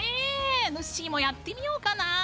ぬっしーもやってみようかな。